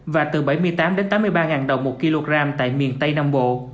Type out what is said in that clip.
và từ bảy mươi tám tám mươi ba đồng một kg tại miền tây nam bộ